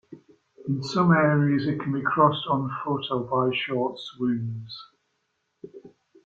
In some areas it can be crossed on foot, or by short swims.